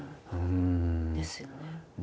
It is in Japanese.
ですよね。